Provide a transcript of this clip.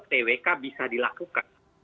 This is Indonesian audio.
twk bisa dilakukan